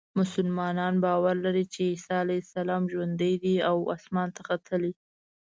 مسلمانان باور لري چې عیسی علیه السلام ژوندی دی او اسمان ته ختلی.